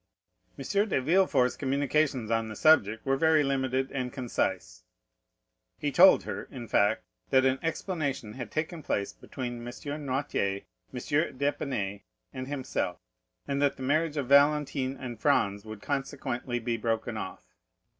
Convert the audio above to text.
M. de Villefort's communications on the subject were very limited and concise; he told her, in fact, that an explanation had taken place between M. Noirtier, M. d'Épinay, and himself, and that the marriage of Valentine and Franz would consequently be broken off.